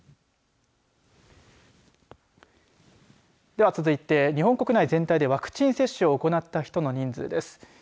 では、続いて日本国内全体でワクチン接種を行った人の人数です。